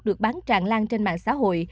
được bán tràn lan trên mạng xã hội